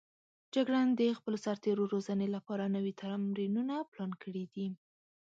جګړن د خپلو سرتېرو روزنې لپاره نوي تمرینونه پلان کړي دي.